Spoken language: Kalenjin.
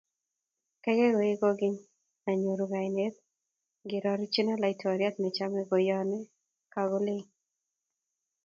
Gaigai, koenge kogeny, anyoru kainet negirorechino,"laitoriat nechame koyone kagoilenge"